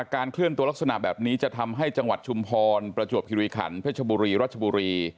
เคลื่อนตัวลักษณะแบบนี้จะทำให้จังหวัดชุมพรประจวบคิริขันเพชรบุรีรัชบุรี